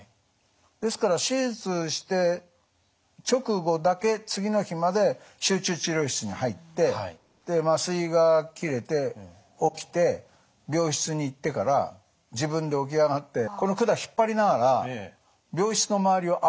ですから手術して直後だけ次の日まで集中治療室に入ってで麻酔が切れて起きて病室に行ってから自分で起き上がってこの管引っ張りながら病室の周りを歩いてたんですよ。